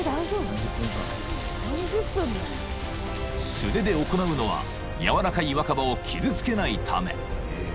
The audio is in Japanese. ［素手で行うのは柔らかい若葉を傷つけないため］